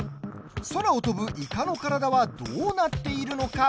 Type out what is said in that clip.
空を飛ぶイカの体はどうなっているのか。